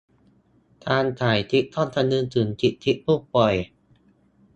การถ่ายคลิปต้องคำนึงถึงสิทธิผู้ป่วย